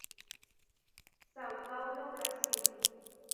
São Paulo, Brasil.